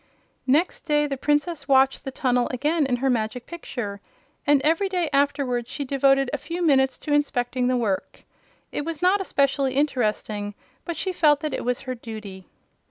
Next day, the Princess watched the tunnel again in her Magic Picture, and every day afterward she devoted a few minutes to inspecting the work. It was not especially interesting, but she felt that it was her duty.